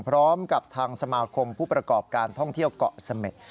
พร้อมกับทางสมาคมผู้ประกอบการท่องเที่ยวเกาะเสม็ด